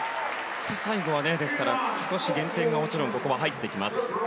最後は少し減点がもちろん入ってきます。